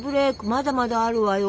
まだまだあるわよ！